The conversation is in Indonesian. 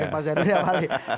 pak zaiduli apa halnya